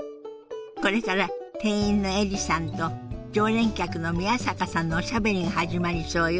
これから店員のエリさんと常連客の宮坂さんのおしゃべりが始まりそうよ。